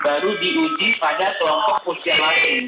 baru diuji pada kelompok usia lain